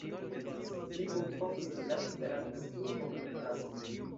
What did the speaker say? Li kunfondis la Esperanto-klubon en Prago.